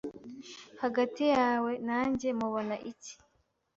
Hagati yawe nanjye, mubona iki?